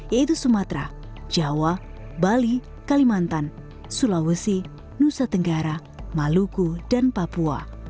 yaitu sumatera jawa bali kalimantan sulawesi nusa tenggara maluku dan papua